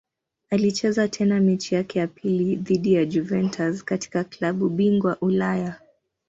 Alicheza tena mechi yake ya pili dhidi ya Juventus katika klabu bingwa Ulaya.